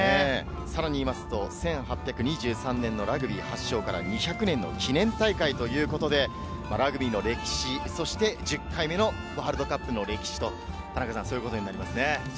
さらにいいますと１８２３年のラグビー発祥から２００年の記念大会ということで、ラグビーの歴史、そして１０回目のワールドカップの歴史ということになりますね。